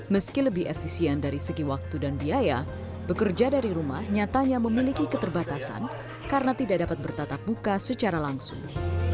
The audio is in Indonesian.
meski lebih efisien dari segi waktu dan biaya bekerja dari rumah nyatanya memiliki keterbatasan karena tidak dapat bertatap muka secara langsung